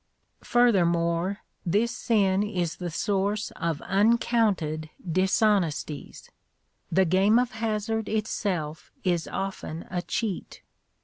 Furthermore, this sin is the source of uncounted dishonesties. The game of hazard itself is often a cheat.